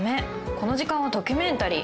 この時間はドキュメンタリー